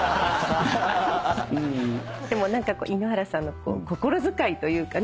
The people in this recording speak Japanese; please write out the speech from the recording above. でも何か井ノ原さんの心遣いというかね